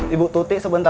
ibu tuti sebentar